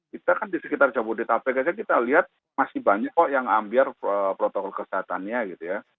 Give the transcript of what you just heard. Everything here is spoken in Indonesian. kita kan di sekitar jabodetabek aja kita lihat masih banyak kok yang ambiar protokol kesehatannya gitu ya